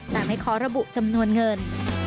ตามให้ขอระบุจำนวนเงิน